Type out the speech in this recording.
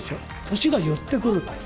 年が寄ってくると。